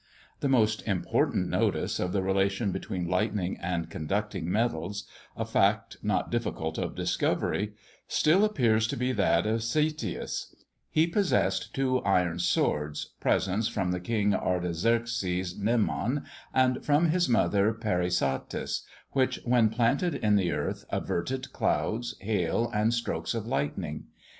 The most important notice of the relation between lightning and conducting metals (a fact not difficult of discovery) still appears to be that of Ctesias: he possessed two iron swords, presents from the King Artaxerxes Mnemon, and from his mother Parysatis, which, when planted in the earth, averted clouds, hail, and strokes of lightning.